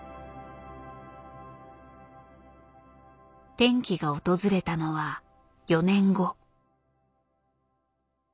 転機が訪れたのは４年後。